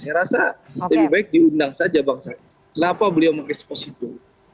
saya rasa lebih baik diundang saja bang sandi kenapa beliau menggespo situ